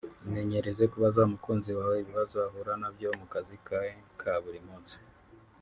Imenyereze kubaza umukunzi wawe ibibazo ahura nabyo mu kazi ke ka buri munsi